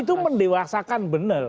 itu mendewasakan bener